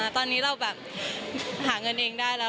ตอนนี้เราแบบหาเงินเองได้แล้ว